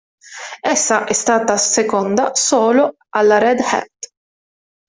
Essa è stata seconda solo alla Red Hat.